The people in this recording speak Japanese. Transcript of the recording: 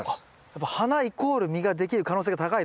やっぱ花イコール実ができる可能性が高いと。